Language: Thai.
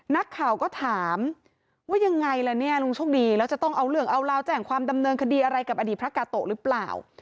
นักข่าวก็ถามว่ายังไงล่ะเนี่ยลุงโชคดีแล้วจะต้องเอาเรื่องเอาราวแจ้งความดำเนินคดีอะไรกับอดีตพระกาโตะหรือเปล่า